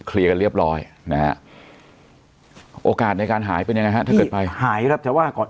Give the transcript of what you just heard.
เคลียร์เรียบร้อยโอกาสในการหายเป็นยังไงฮะถ้าเกิดไปหายแต่ว่าก่อน